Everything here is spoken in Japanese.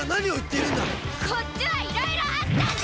こっちはいろいろあったんだー！